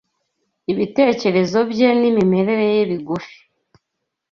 ibitekerezo bye n’imirebere ye bigufi